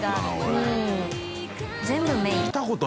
村重）全部メイン。